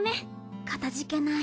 かたじけない。